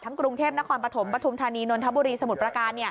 กรุงเทพนครปฐมปฐุมธานีนนทบุรีสมุทรประการ